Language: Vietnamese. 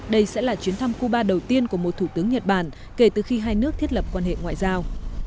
đây sẽ là chuyến thăm cuba đầu tiên của một thủ tướng nhật bản kể từ khi hai nước thiết lập quan hệ ngoại giao